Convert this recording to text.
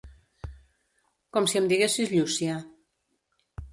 Com si em diguessis Llúcia.